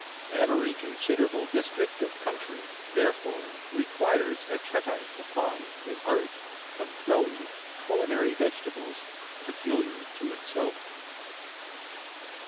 Every considerable district of country, therefore, requires a treatise upon the art of growing culinary vegetables pe culiar to itself.